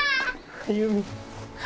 歩。